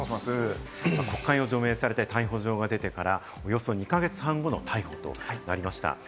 国会を除名されて逮捕状が出てからおよそ２か月半後の逮捕となりました。